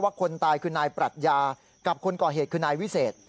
คนตายคือนายปรัชญากับคนก่อเหตุคือนายวิเศษ